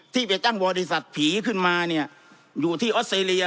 ไปตั้งบริษัทผีขึ้นมาเนี่ยอยู่ที่ออสเตรเลีย